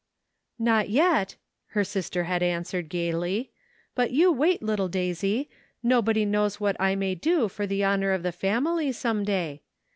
" "Not yet," her sister had answered gaily, "but you wait, little Daisy, nobody knows what I may do for the honor of the family some day.